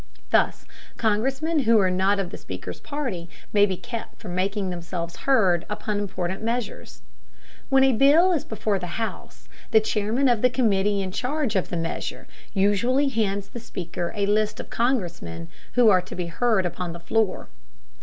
Thus Congressmen who are not of the Speaker's party may be kept from making themselves heard upon important measures. When a bill is before the House, the chairman of the committee in charge of the measure usually hands the Speaker a list of Congressmen who are to be heard upon the floor.